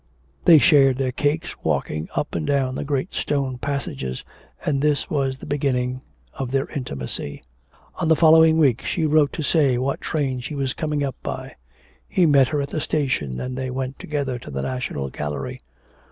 They shared their cakes, walking up and down the great stone passages, and this was the beginning of their intimacy. On the following week she wrote to say what train she was coming up by; he met her at the station, and they went together to the National Gallery.